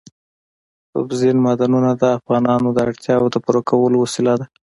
اوبزین معدنونه د افغانانو د اړتیاوو د پوره کولو وسیله ده.